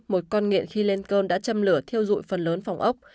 một con nghiện khi lên cơn đã châm lửa thiêu dụi phần lớn phòng ốc